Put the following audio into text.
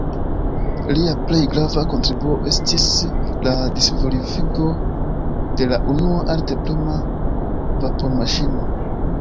Lia plej grava kontribuo estis la disvolvigo de la unua alt-prema vapormaŝino.